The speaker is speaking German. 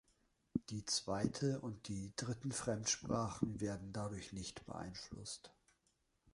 Die zweite und die dritten Fremdsprachen werden dadurch nicht beeinflusst.